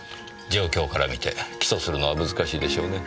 状況から見て起訴するのは難しいでしょうね。